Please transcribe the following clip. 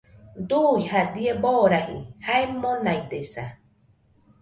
Dui jadie boraji jae monaidesa